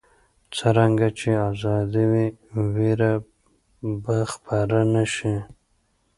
څرنګه چې ازادي وي، ویره به خپره نه شي.